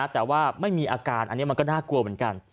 แต่ว่าไม่มีอาการอันนี้มันก็น่ากลัวเหมือนกัน